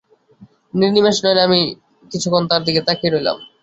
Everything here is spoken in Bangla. নির্নিমেষ নয়নে আমি কিছুক্ষণ তার দিকে তাকিয়ে রইলাম।